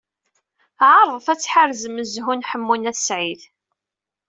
Eɛṛeḍet ad tḥerzem zhu n Ḥemmu n At Sɛid.